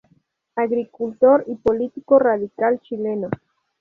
Agricultor y político radical chileno.